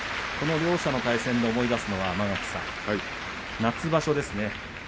両者の対戦で思い出すのは間垣さん、夏場所ですね。